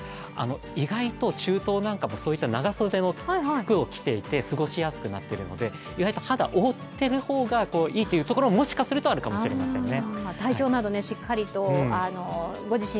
意外と中東なんかも、そういった長袖の服を着ていて過ごしやすくなっているので意外と肌、覆っている方がいいというところももしかするとあるかもしれませんね。